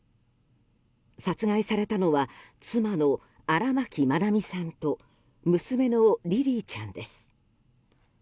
殺害されたのは妻の荒牧愛美さんと娘のリリィちゃんです。